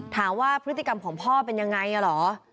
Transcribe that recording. ถามว่าพฤติกรรมของพ่อเป็นยังไงเหรอ